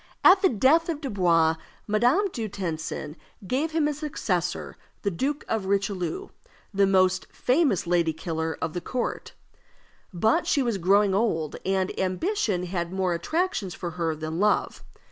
At the death of Dubois, Madame du Tencin gave him as successor the Duke of Richelieu, the most famous lady killer of the court. But she was growing old, and ambition had more attractions for her than love.